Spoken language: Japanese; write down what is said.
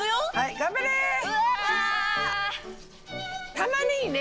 たまねぎね